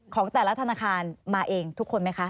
ของแต่ละธนาคารมาเองทุกคนไหมคะ